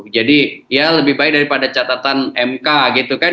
jadi ya lebih baik daripada catatan mk gitu kan